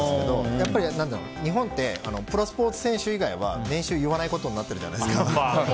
やっぱり、日本ってプロスポーツ選手以外は年収言わないことになってるじゃないですか。